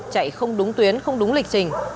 chạy không đúng tuyến không đúng lịch trình